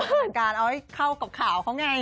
เป็นการเอาให้เข้ากับข่าวเขาไง